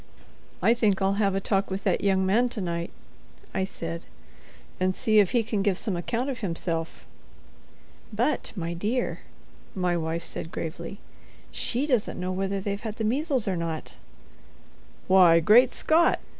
"I think I'll have a talk with that young man to night," I said, "and see if he can give some account of himself." "But, my dear," my wife said, gravely, "she doesn't know whether they've had the measles or not." "Why, Great Scott!"